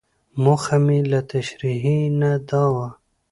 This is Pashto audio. موخه مې له تشريحي نه دا ده.